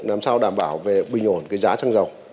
làm sao đảm bảo về bình ổn cái giá xăng dầu